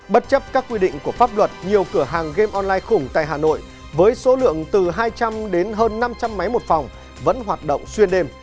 bất chấp các quy định của pháp luật nhiều cửa hàng game online khủng tại hà nội với số lượng từ hai trăm linh đến hơn năm trăm linh máy một phòng vẫn hoạt động xuyên đêm